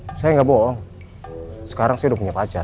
hai saya enggak bohong sekarang menurutnya pacar